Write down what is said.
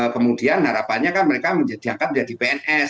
kemudian harapannya kan mereka diangkat menjadi pns